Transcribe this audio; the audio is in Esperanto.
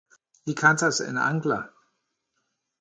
Li kantas en angla.